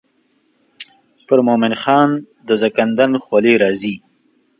پر مومن خان د زکندن خولې راځي.